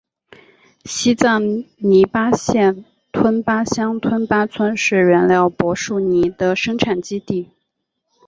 西藏尼木县吞巴乡吞巴村是原料柏树泥的生产基地。